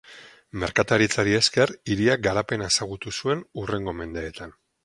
Merkataritzari esker hiriak garapena ezagutu zuen hurrengo mendeetan.